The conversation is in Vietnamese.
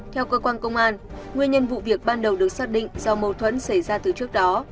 theo cơ quan công an nguyên nhân vụ việc ban đầu được xác định do mâu thuẫn xảy ra từ trước đó